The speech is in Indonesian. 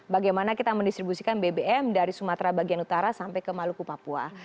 bagaimana kita mendistribusikan bbm dari sumatera bagian utara sampai ke maluku papua